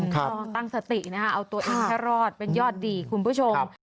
ต้องตั้งสติเอาตัวเองแค่รอดเป็นยอดดีคุณผู้ชม